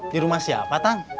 di rumah siapa kang